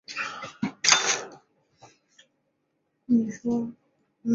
湖北蕲水人。